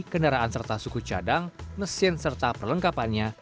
kendaraan serta suku cadang mesin serta perlengkapannya